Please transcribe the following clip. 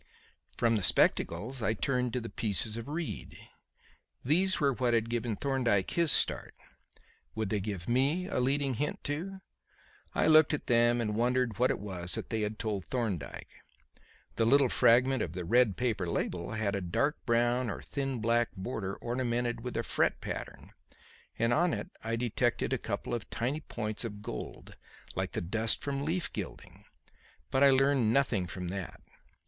From the spectacles I turned to the pieces of reed. These were what had given Thorndyke his start. Would they give me a leading hint too? I looked at them and wondered what it was that they had told Thorndyke. The little fragment of the red paper label had a dark brown or thin black border ornamented with a fret pattern, and on it I detected a couple of tiny points of gold like the dust from leaf gilding. But I learned nothing from that.